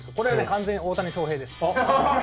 完全に大谷翔平です。